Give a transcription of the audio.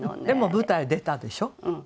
でも舞台出たでしょ？